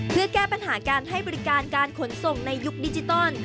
เพื่อแก้ปัญหาการให้บริการการขนส่งในยุคดิจิตอล